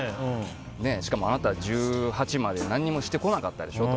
しかもあなたは１８まで何もしてこなかったでしょと。